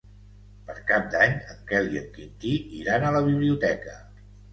Per Cap d'Any en Quel i en Quintí iran a la biblioteca.